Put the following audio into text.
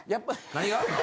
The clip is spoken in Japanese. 何が？